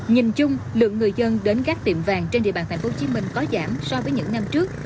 nhìn chung lượng người dân đến các tiệm vàng trên địa bàn tp hcm có giảm so với những năm trước